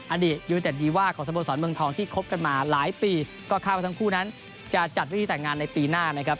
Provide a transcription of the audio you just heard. อดีตยูนิเต็ดดีว่าของสโมสรเมืองทองที่คบกันมาหลายปีก็คาดว่าทั้งคู่นั้นจะจัดวิธีแต่งงานในปีหน้านะครับ